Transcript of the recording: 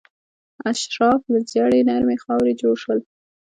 اشراف له ژیړې نرمې خاورې جوړ شول.